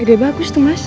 ide bagus temas